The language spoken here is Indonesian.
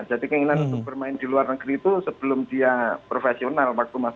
jadi keinginan untuk bermain di luar negeri itu sebelum dia profesional waktu masih ssb